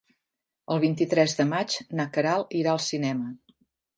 El vint-i-tres de maig na Queralt irà al cinema.